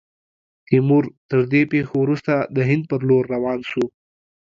تیمور، تر دې پیښو وروسته، د هند پر لور روان سو.